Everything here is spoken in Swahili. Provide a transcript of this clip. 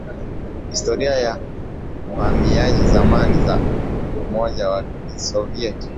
historia ya uhamiaji zamani za Umoja wa Kisovyeti